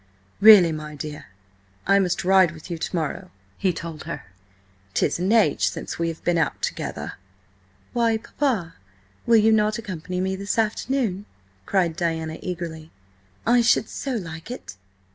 "Really, my dear, I must ride with you to morrow," he told her. "'Tis an age since we have been out together." "Why, Papa, will you not accompany me this afternoon?" cried Diana eagerly. "I should so like it!"